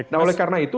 nah oleh karena itu